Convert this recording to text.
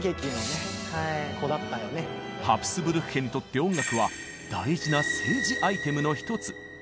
ハプスブルク家にとって音楽は大事な政治アイテムの一つ。